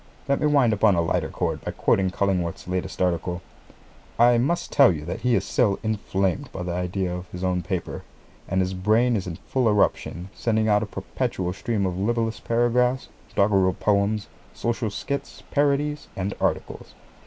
Let me wind up on a lighter chord by quoting Cullingworth's latest article. I must tell you that he is still inflamed by the idea of his own paper, and his brain is in full eruption, sending out a perpetual stream of libellous paragraphs, doggerel poems, social skits, parodies, and articles.